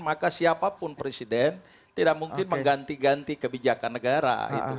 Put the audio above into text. maka siapapun presiden tidak mungkin mengganti ganti kebijakan negara